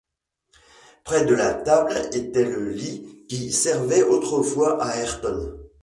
Près de la table était le lit qui servait autrefois à Ayrton